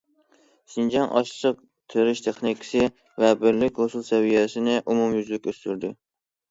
شىنجاڭ ئاشلىق تېرىش تېخنىكىسى ۋە بىرلىك ھوسۇل سەۋىيەسىنى ئومۇميۈزلۈك ئۆستۈردى.